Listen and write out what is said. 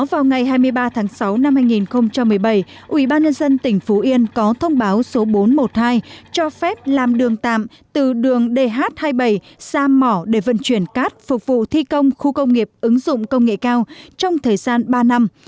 vào ngày hai mươi ba tháng sáu năm hai nghìn một mươi bảy ubnd tỉnh phú yên có thông báo số bốn trăm một mươi hai cho phép làm đường tạm từ đường dh hai mươi bảy ra mỏ để vận chuyển cát phục vụ thi công khu công nghiệp ứng dụng công nghệ cao trong thời gian ba năm